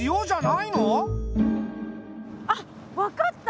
あっ分かった！